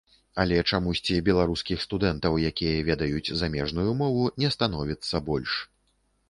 Але чамусьці беларускіх студэнтаў, якія ведаюць замежную мову, не становіцца больш.